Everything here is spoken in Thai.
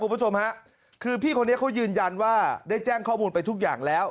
คุณผู้ชมฮะคือพี่คนนี้เขายืนยันว่าได้แจ้งข้อมูลไปทุกอย่างแล้ว